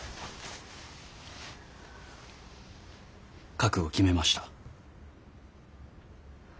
覚悟決めました。